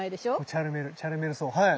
チャルメルチャルメルソウはい。